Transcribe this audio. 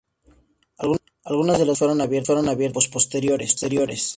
Algunas de las ventanas fueron abiertas en tiempos posteriores.